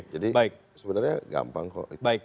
jadi sebenarnya gampang kok